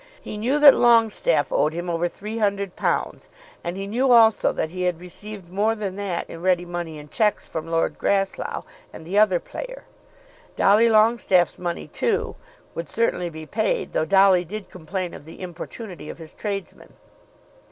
He knew that Longestaffe owed him over £800, and he knew also that he had received more than that in ready money and cheques from Lord Grasslough and the other player. Dolly Longestaffe's money, too, would certainly be paid, though Dolly did complain of the importunity of his tradesmen.